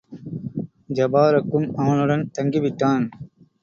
ஜபாரக்கும் அவனுடன் தங்கிவிட்டான்.